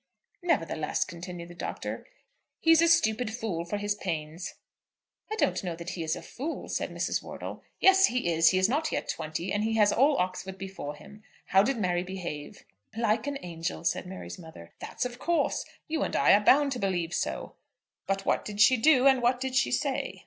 "Nevertheless," continued the Doctor, "he's a stupid fool for his pains." "I don't know that he is a fool," said Mrs. Wortle. "Yes; he is. He is not yet twenty, and he has all Oxford before him. How did Mary behave?" "Like an angel," said Mary's mother. "That's of course. You and I are bound to believe so. But what did she do, and what did she say?"